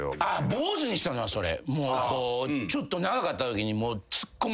坊主にしたのはそれ。